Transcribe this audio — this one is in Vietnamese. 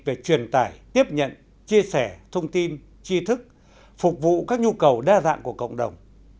về truyền tải tiếp nhận chia sẻ thông tin chi thức phục vụ các nhu cầu đa dạng của cộng đồng